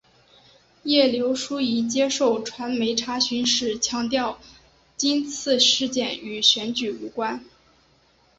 叶刘淑仪接受传媒查询时强调今次事件与选举无关。